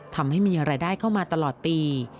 ทำให้มีรายได้เข้ามาตลอดปี